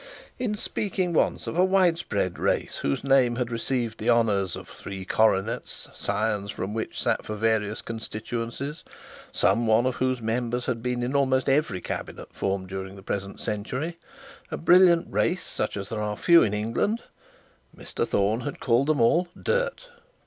In speaking once of a wide spread race whose name had received the honours of three coronets, scions from which sat for various constituencies, some one of whose members had been in almost every cabinet formed during this present century, a brilliant race such as there are few in England, Mr Thorne called them all 'dirt'.